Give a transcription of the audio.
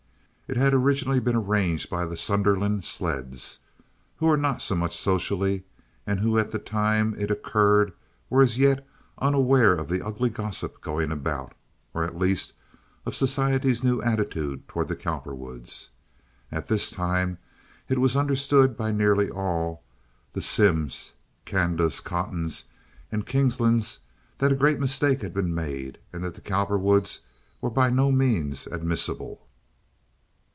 It had been originally arranged by the Sunderland Sledds, who were not so much socially, and who at the time it occurred were as yet unaware of the ugly gossip going about, or at least of society's new attitude toward the Cowperwoods. At this time it was understood by nearly all—the Simms, Candas, Cottons, and Kingslands—that a great mistake had been made, and that the Cowperwoods were by no means admissible.